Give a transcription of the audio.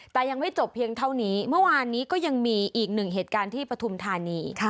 แต่ยังไม่จบเพียงเท่านี้เมื่อวานนี้ก็ยังมีอีกหนึ่งเหตุการณ์ที่ปฐุมธานี